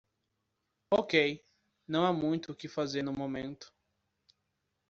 Ok,? não há muito o que fazer no momento.